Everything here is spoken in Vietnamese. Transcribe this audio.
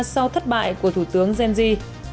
sau thất bại của thủ tướng genji